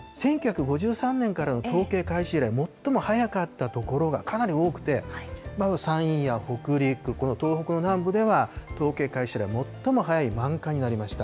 １９５３年からの統計開始以来、最も早かった所がかなり多くて、山陰や北陸、この東北の南部では、統計開始以来、最も早い満開になりました。